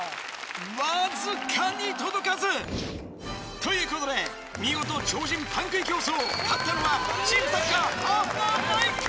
・わずかに届かず。ということで見事超人パン食い競争勝ったのはチームサッカーハーフナー・マイク！